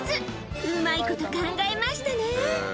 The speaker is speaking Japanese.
うまいこと考えましたね。